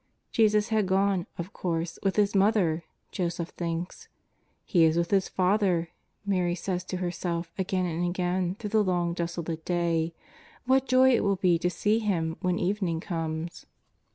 Jesus had gone, of course, with His Mother, Joseph thinks. He is with His father, Mary says to herself again and again through the long desolate day ; what joy it will be to see Him when even ing comes.